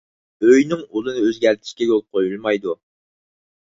ئۆينىڭ ئۇلىنى ئۆزگەرتىشكە يول قويۇلمايدۇ.